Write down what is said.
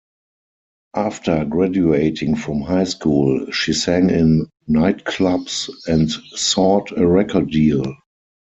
After graduating from high school, she sang in nightclubs and sought a record deal.